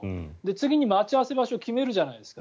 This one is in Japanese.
次に待ち合わせ場所を決めるじゃない。